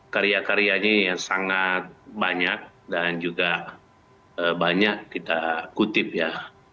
karya karyanya yang sangat banyak dan juga banyak kita kutip ya